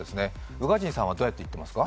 宇賀神さんはどうやって行っていますか？